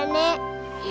nek maafin putri ya